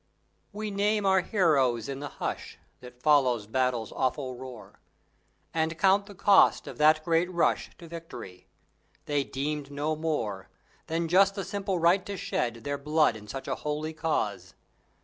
We name our heroes in the hush That follows battle's awful roar, And count the cost of that great rush To victory! They deemed no more Than just the simple right to shed Their blood in such a holy cause.